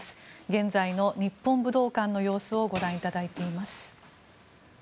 現在の日本武道館の様子をご覧いただいています。